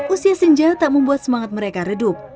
usia senja tak membuat semangat mereka redup